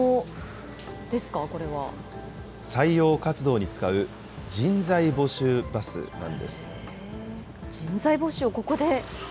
採用活動に使う人材募集バス人材募集をここで。